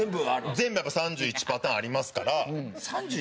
全部だから３１パターンありますから。